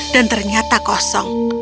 dan ternyata kosong